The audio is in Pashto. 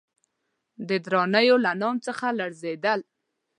د درانیو له نامه څخه لړزېدل.